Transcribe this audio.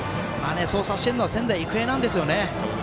そうさせているのは仙台育英なんですよね。